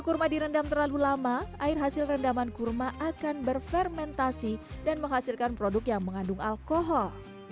kurma direndam terlalu lama air hasil rendaman kurma akan berfermentasi dan menghasilkan produk yang mengandung alkohol